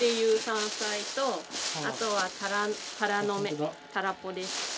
あとはタラの芽たらっぽです。